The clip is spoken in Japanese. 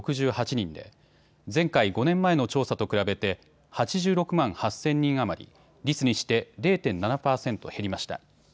人で前回５年前の調査と比べて８６万８０００人余り、率にして０．７％減りました。